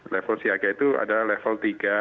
level siaga itu adalah level tiga